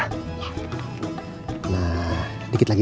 nah dikit lagi dikit lagi